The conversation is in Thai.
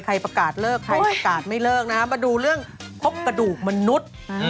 ประกาศเลิกใครประกาศไม่เลิกนะมาดูเรื่องพบกระดูกมนุษย์